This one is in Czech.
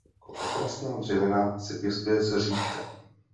Jako okrasná dřevina se pěstuje zřídka.